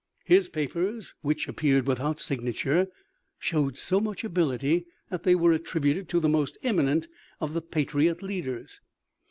His papers, which appeared without signature, showed so much ability that they were attributed to the most eminent of the patriot leaders.